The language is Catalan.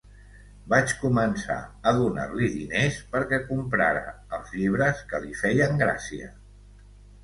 Vaig començar a donar-li diners perquè comprara els llibres que li feien gràcia...